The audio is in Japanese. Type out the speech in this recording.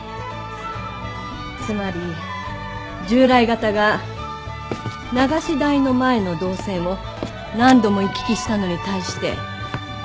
つまり従来型が流し台の前の動線を何度も行き来したのに対して。